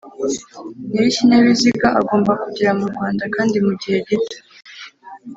nyir'ikinyabiziga agomba kugera mu Rwanda, kandi mu gihe gito